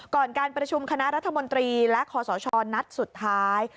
การประชุมคณะรัฐมนตรีและคอสชนัดสุดท้าย